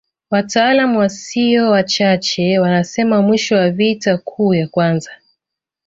Wataalamu wasio wachache wanasema mwisho wa vita kuu ya kwanza